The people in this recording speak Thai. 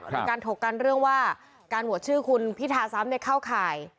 มีการถกกันเรื่องว่าการโหวตชื่อคุณพิธาซ้ำเข้าข่าย